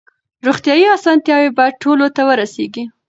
روغتیايي اسانتیاوې باید ټولو ته ورسیږي.